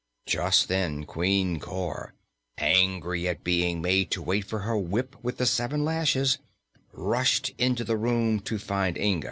Just then Queen Cor, angry at being made to wait for her whip with the seven lashes, rushed into the room to find Inga.